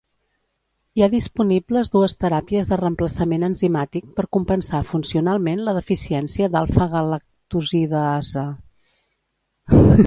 Hi ha disponibles dues teràpies de reemplaçament enzimàtic per compensar funcionalment la deficiència d'alfa-galactosidasa.